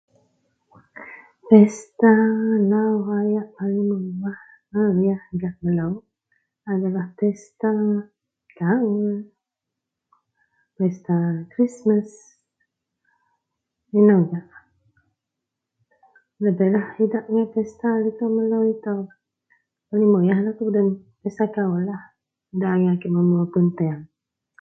Pesta perayaan wak meriah gak likou melo adalah pesta kaul, pesta krismas inou a paling meriah gak likou melo, pesta kaul paling meriah sebab idak angai a mapun tieng.